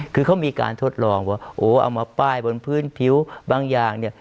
คือเขามีการทดลองว่าโอ้เอามาป้ายบนพื้นผิวบางอย่างเนี่ย